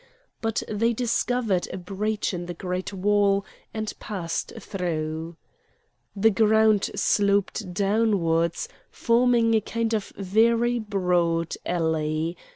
But they discovered a breach in the great wall and passed through. The ground sloped downwards, forming a kind of very broad valley.